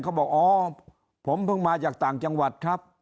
บอกอ๋อผมเพิ่งมาจากต่างจังหวัดครับ